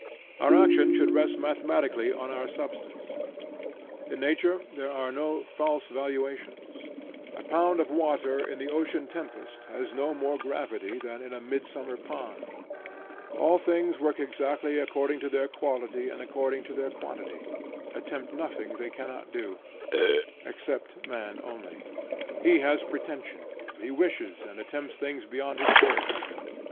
Our action should rest mathematically on our substance. In nature, there are no false valuations. A pound of water in the ocean tempest has no more gravity than in a midsummer pond. All things work exactly according to their quality and according to their quantity; attempt nothing they cannot do, except man only. He has pretension; he wishes and attempts things beyond his force.